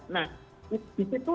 nah di situ